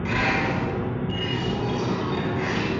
Kukohoa kutokana na kuwepo kwa maji katika mapafu